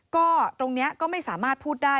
ก็ตรงนี้ก็ไม่สามารถพูดได้